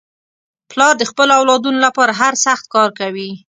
پلار د خپلو اولادنو لپاره هر سخت کار کوي.